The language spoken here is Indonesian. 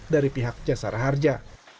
dari pihak jasara harja